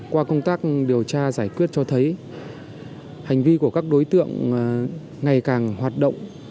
qua công tác điều tra giải quyết cho thấy hành vi của các đối tượng ngày càng hoạt động